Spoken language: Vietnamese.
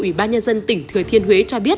ủy ban nhân dân tỉnh thừa thiên huế cho biết